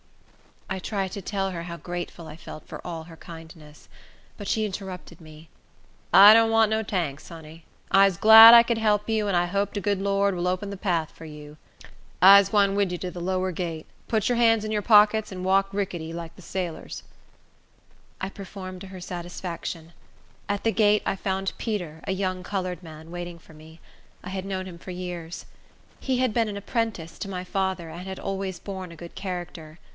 I tried to tell her how grateful I felt for all her kindness. But she interrupted me. "I don't want no tanks, honey. I'se glad I could help you, and I hope de good Lord vill open de path for you. I'se gwine wid you to de lower gate. Put your hands in your pockets, and walk ricketty, like de sailors." I performed to her satisfaction. At the gate I found Peter, a young colored man, waiting for me. I had known him for years. He had been an apprentice to my father, and had always borne a good character.